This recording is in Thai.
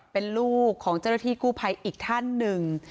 เป็นลูกของเจ้าหน้าที่กู้ภัยอีกท่านหนึ่ง